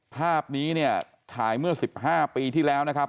ภาพนี้เนี่ยถ่ายเมื่อ๑๕ปีที่แล้วนะครับ